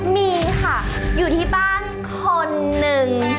มีค่ะอยู่ที่บ้านคนหนึ่ง